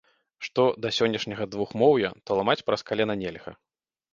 Што да сённяшняга двухмоўя, то ламаць праз калена нельга.